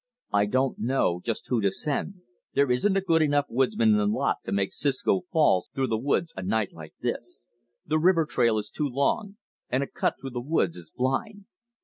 "I don't know just who to send. There isn't a good enough woodsman in the lot to make Siscoe Falls through the woods a night like this. The river trail is too long; and a cut through the woods is blind.